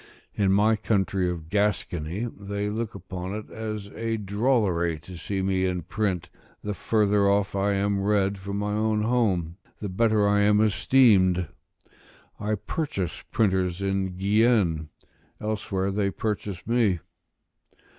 In my country of Gascony, they look upon it as a drollery to see me in print; the further off I am read from my own home, the better I am esteemed. I purchase printers in Guienne; elsewhere they purchase me.